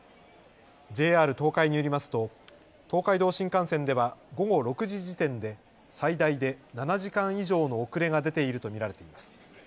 ＪＲ東海によりますと東海道新幹線では午後６時時点で最大で７時間以上の遅れが出ていると見られています。